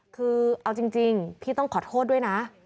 คือเอาจริงพี่ต้องขอโทษด้วยนะ